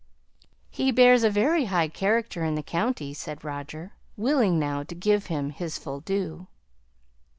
"He bears a very high character in the county," said Roger, willing now to give him his full due.